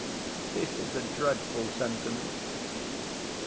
_ This is a dreadful sentence.